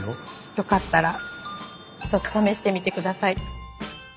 よかったら一つ試してみてください。